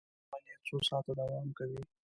دا عملیه څو ساعته دوام کوي.